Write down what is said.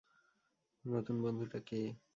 নতুন বন্ধুটা কে?